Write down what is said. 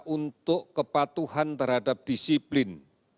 untuk kepatuhan terhadap disiplin